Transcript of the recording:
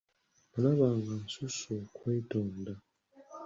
Nalaba nga nsusse okwetonda.